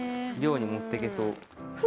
猟に持ってけそう。